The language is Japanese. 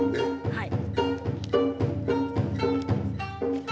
はい。